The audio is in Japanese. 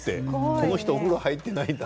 この人は風呂に入っていないんだ